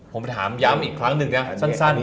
ผมไปถามย้ำอีกครั้งด้วยสั้น